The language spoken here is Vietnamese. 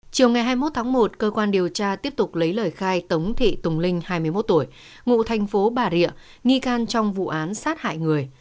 chiều ngày hai mươi một tháng một cơ quan điều tra tiếp tục lấy lời khai tống thị tùng linh hai mươi một tuổi ngụ thành phố bà rịa nghi can trong vụ án sát hại người